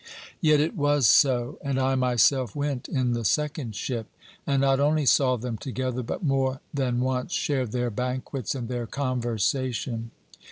Yet it was so, and I myself went in the second ship, and not only saw them together, but more than once shared their banquets and their conversation.